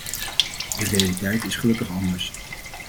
De realiteit is gelukkig anders.